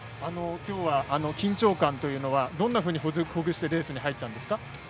今日は緊張感というのはどんなふうにほぐしてレースに入ったんですか。